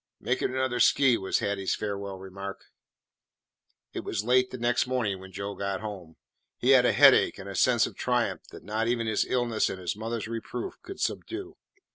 "Make it another 'skey," was Hattie's farewell remark. It was late the next morning when Joe got home. He had a headache and a sense of triumph that not even his illness and his mother's reproof could subdue.